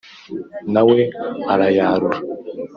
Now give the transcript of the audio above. na we arayarura ,